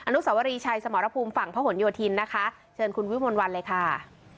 นุสวรีชัยสมรภูมิฝั่งพระหลโยธินนะคะเชิญคุณวิมวลวันเลยค่ะ